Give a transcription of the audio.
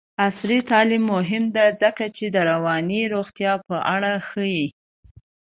عصري تعلیم مهم دی ځکه چې د رواني روغتیا په اړه ښيي.